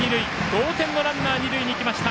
同点のランナーが二塁の行きました。